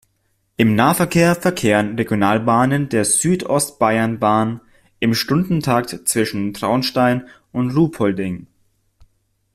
Im Nahverkehr verkehren Regionalbahnen der Südostbayernbahn im Stundentakt zwischen Traunstein und Ruhpolding.